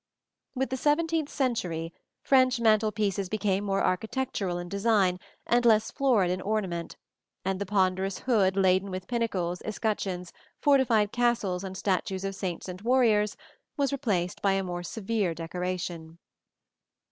With the seventeenth century, French mantel pieces became more architectural in design and less florid in ornament, and the ponderous hood laden with pinnacles, escutcheons, fortified castles and statues of saints and warriors, was replaced by a more severe decoration.